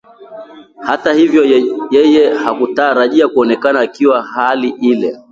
Hata hivyo yeye hakutarajia kuonekana akiwa hali ile